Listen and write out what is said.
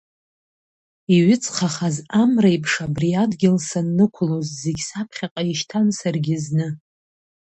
Иҩыҵхахаз амреиԥш, абри адгьыл саннықәлоз, зегь саԥхьаҟа ишьҭан саргьы зны.